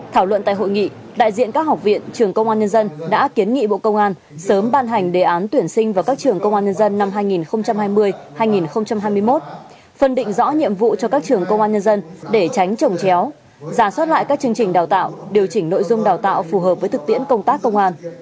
thảo luận tại hội nghị đại diện các học viện trường công an nhân dân đã kiến nghị bộ công an sớm ban hành đề án tuyển sinh vào các trường công an nhân dân năm hai nghìn hai mươi hai nghìn hai mươi một phân định rõ nhiệm vụ cho các trường công an nhân dân để tránh trồng chéo giả soát lại các chương trình đào tạo điều chỉnh nội dung đào tạo phù hợp với thực tiễn công tác công an